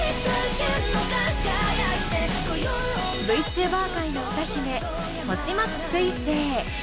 Ｖチューバー界の歌姫星街すいせい。